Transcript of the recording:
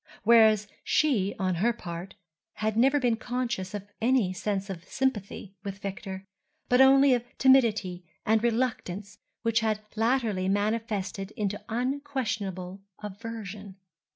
Whereas she on her part had never been conscious of any sense of sympathy with Victor, but only of timidity and reluctance which had latterly manifested in unquestionable aversion.